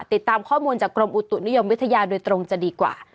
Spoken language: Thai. ติดตามข้อมูลจากกรมอุตุนิยมวิทยาโดยตรงจะดีกว่า